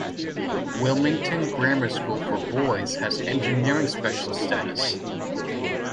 Wilmington Grammar School for Boys has engineering specialist status.